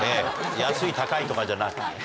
安い高いとかじゃなく。